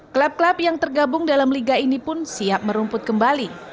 klub klub yang tergabung dalam liga ini pun siap merumput kembali